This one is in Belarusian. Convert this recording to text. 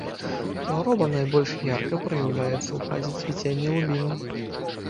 Хвароба найбольш ярка праяўляецца ў фазе цвіцення лубіну.